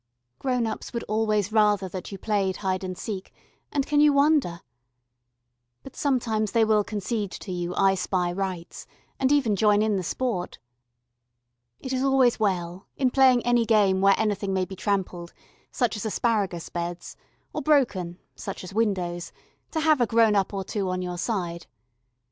Grown ups would always rather that you played hide and seek and can you wonder? But sometimes they will concede to you "I spy" rights, and even join in the sport. It is always well, in playing any game where anything may be trampled, such as asparagus beds, or broken, such as windows, to have a grown up or two on your side.